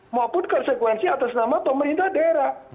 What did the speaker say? maupun konsekuensi atas nama pemerintah daerah